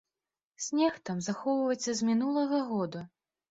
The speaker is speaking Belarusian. Снег там захоўваецца з мінулага года.